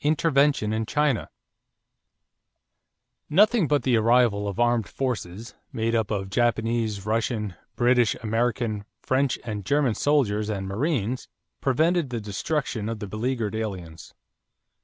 =Intervention in China.= Nothing but the arrival of armed forces, made up of Japanese, Russian, British, American, French, and German soldiers and marines, prevented the destruction of the beleaguered aliens.